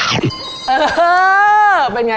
เออเป็นไง